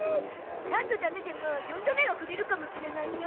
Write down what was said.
三度ダメでも四度目はくれるかもしれないゾ。